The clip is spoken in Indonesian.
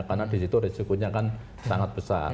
karena di situ risikonya kan sangat besar